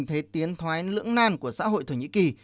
chúng ta đang tìm thấy tiến thoái lưỡng nan của xã hội thổ nhĩ kỳ